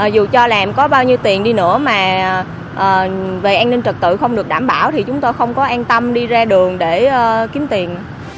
dù cho làm có bao nhiêu tiền đi nữa mà về an ninh trật tự không được đảm bảo thì chúng tôi không có an tâm đi ra đường để kiếm tiền